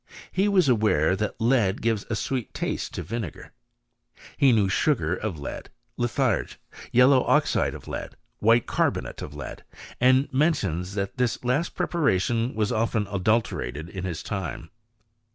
He was aware that lead gives a sweet taste to vinegar. He knew sugar of lead, litharge, yellow oxide of lead, white carbonate of lead ; and mentions that this last preparation was often adulterated in his time.